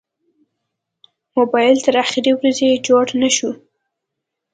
موبایل تر اخرې ورځې جوړ نه شو.